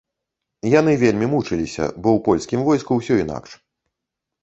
Яны вельмі мучыліся, бо ў польскім войску усё інакш.